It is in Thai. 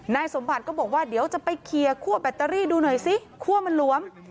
นายสมบัติก็บอกว่าเดี๋ยวจะไปเคลียร์คั่วแบตเตอรี่ดูหน่อยซิคั่วมันหลวม